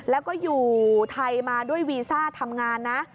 แล้วก็อยู่ไทยมาด้วยวีซ่าทำงานนะ